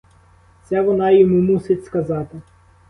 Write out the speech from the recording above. Це вона йому мусить сказати.